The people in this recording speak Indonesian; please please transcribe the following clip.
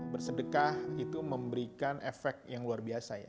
bersedekah itu memberikan efek yang luar biasa ya